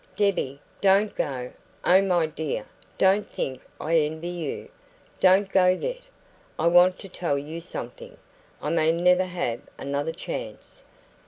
Debbie, don't go! Oh, my dear, don't think I envy you! Don't go yet! I want to tell you something. I may never have another chance."